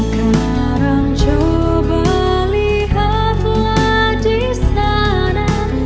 sekarang coba melihatlah di sana